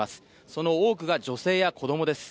その多くが女性や子どもです。